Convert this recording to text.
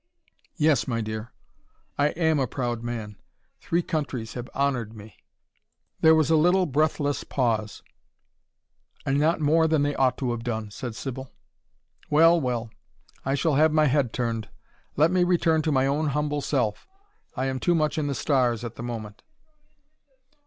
"Yes, my dear. I AM a proud man. Three countries have honoured me " There was a little, breathless pause. "And not more than they ought to have done," said Sybil. "Well! Well! I shall have my head turned. Let me return to my own humble self. I am too much in the stars at the moment."